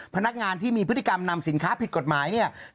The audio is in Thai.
พนักงานที่มีพฤติกรรมนำสินค้าผิดกฎหมายเนี่ย